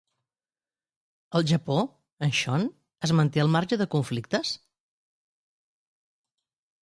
Al Japó, en Sean es manté al marge de conflictes?